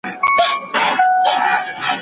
دولت په روسیه کي کمونستي سیستم ته ګوري.